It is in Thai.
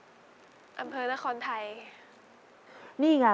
เรื่องไหนครับในสี่เรื่องที่เหลืออำเภอละครไทยนี่ไง